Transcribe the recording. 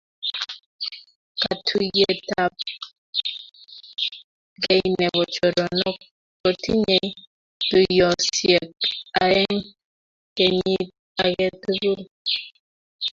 Katuiyetabgei nebo choronook kotinyei tuiyosyek aeng kenyiit age tugul.